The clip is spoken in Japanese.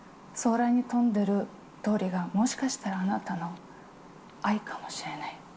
空に飛んでる鳥が、もしかしたらあなたの愛かもしれない。